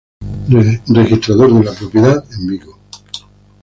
Registrador de la propiedad en Vigo.